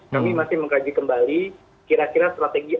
kami masih mengkaji kembali kira kira strategi